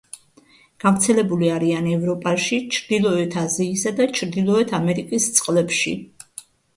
გავრცელებული არიან ევროპაში, ჩრდილოეთ აზიისა და ჩრდილოეთ ამერიკის წყლებში.